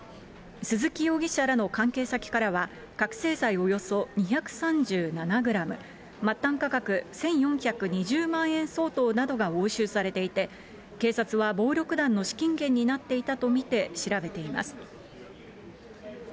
鈴木容疑者らの関係先からは、覚醒剤およそ２３７グラム、末端価格１４２０万円相当などが押収されていて、警察は暴力団の資金源になっていたと見て調べています。